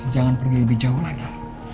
jangan pergi lebih jauh lagi